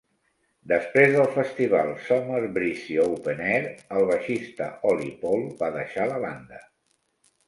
Després del festival Summer Breeze Open Air, el baixista Olli Pohl va deixar la banda.